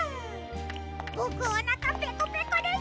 ぼくおなかペコペコです！